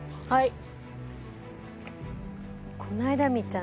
はい。